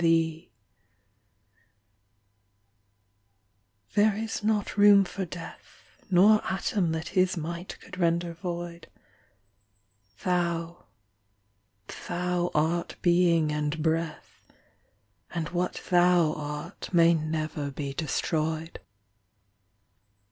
There is not room for Death, Nor atom that his might could render void: Thou THOU art Being and Breath, And what THOU art may never be destroyed.